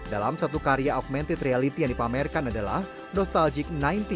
dalam satu karya augmented reality yang dipamerkan adalah nostalgic sembilan belas